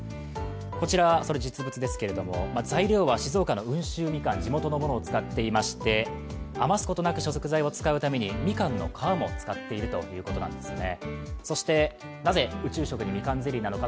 こちらは実文ですけれども、材料は静岡の温州みかん、地元のものを使ってまして余すことなく食材を使うためにみかんの皮も使っているということなんですね